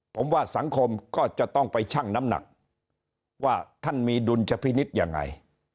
ผมว่าสังคมก็จะต้องไปชั่งน้ำหนักว่าท่านมีดุลชพินิษฐ์ยังไง